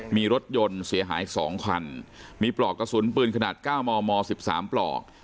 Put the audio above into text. มีรถยนต์เสียหาย๒คันมีปลอกกระสุนปืนขนาด๙มม๑๓ปลอก